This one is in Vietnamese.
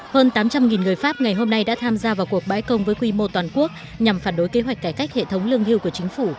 hơn tám trăm linh người pháp ngày hôm nay đã tham gia vào cuộc bãi công với quy mô toàn quốc nhằm phản đối kế hoạch cải cách hệ thống lương hưu của chính phủ